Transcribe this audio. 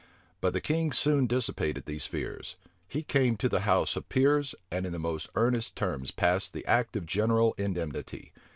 But the king soon dissipated these fears. He came to the house of peers, and in the most earnest terms passed the act of general indemnity.